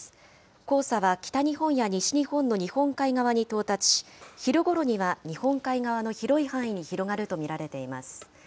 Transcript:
黄砂は北日本や西日本の日本海側に到達し、昼ごろには日本海側の広い範囲に広がると見られています。